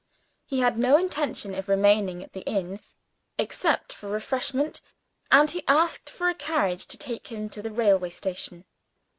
He had no intention of remaining at the inn, except for refreshment; and he asked for a carriage to take him to the railway station.